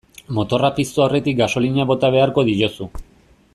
Motorra piztu aurretik gasolina bota beharko diozu.